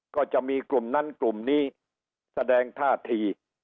ก็จะมีกลุ่มนั้นกลุ่มนี้แสดงท่าที